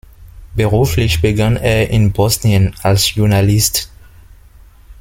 Beruflich begann er in Bosnien als Journalist.